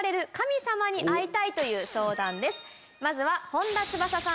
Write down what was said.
まずは。